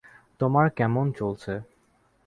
তোমার কেমন চলছে?